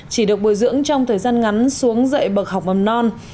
chỉ được bồi dưỡng trong thời gian ngắn xuống dạy bậc học mầm non